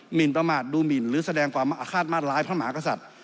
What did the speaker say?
หินประมาทดูหมินหรือแสดงความอาฆาตมาตร้ายพระมหากษัตริย์